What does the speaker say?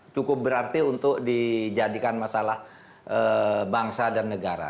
cukup berarti untuk dijadikan masalah bangsa dan negara